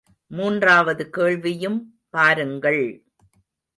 மூன்றாவது கேள்வியும் பாருங்கள்!